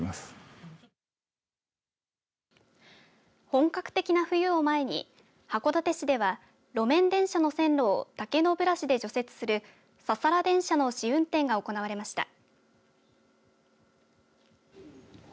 本格的な冬を前に函館市では路面電車の線路を竹のブラシで除雪するササラ電車の試運転が行われました。